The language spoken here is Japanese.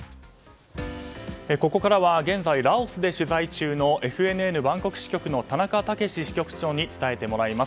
ここからは現在、ラオスで取材中のＦＮＮバンコク支局の田中剛支局長に伝えてもらいます。